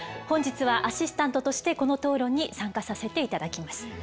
本日はアシスタントとしてこの討論に参加させて頂きます。